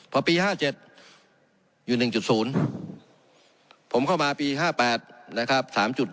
พอปี๕๗อยู่๑๐ผมเข้ามาปี๕๘นะครับ